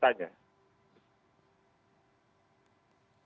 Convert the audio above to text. jadi itu adalah hal yang sangat penting